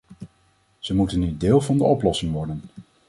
Ze moet nu deel van de oplossing worden.